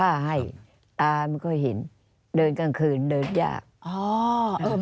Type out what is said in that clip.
อันดับ๖๓๕จัดใช้วิจิตร